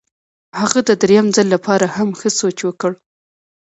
هغه د درېیم ځل لپاره هم ښه سوچ وکړ.